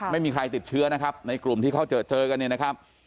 ไม่มีใครติดเชื้อนะครับในกลุ่มที่เขาเจอเจอกันเนี่ยนะครับ